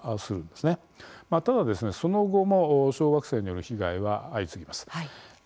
ただ、その後も小惑星による被害は相次ぎます。